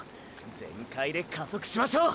全開で加速しましょう！！